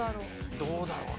どうだろうな？